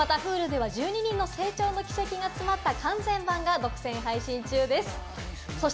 またＨｕｌｕでは１２人の成長の軌跡が詰まった完全版が独占配信中です。